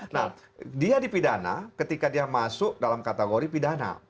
nah dia dipidana ketika dia masuk dalam kategori pidana